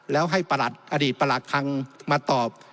แล้วให้ประหลัดอดีตประหลัดคังมาตอบ